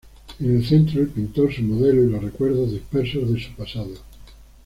En el centro, el pintor, su modelo y los recuerdos dispersos de su pasado.